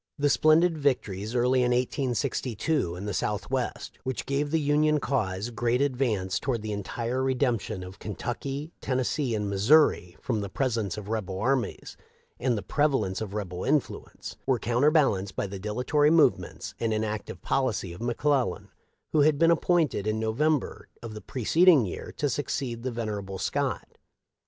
The splendid victories early in 1862 in the south west, which gave the Union cause great advance toward the entire redemption of Kentucky, Tennes see, and Missouri from the presence of rebel armies and the prevalence of rebel influence, were counter balanced by the dilatory movements and inactive policy of McClellan, who had been appointed in No vember of the preceding year to succeed the vener able Scott.